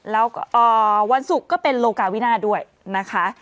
แล้ววันศุกร์ก็เป็นโลกาวินาด้วยนะคะ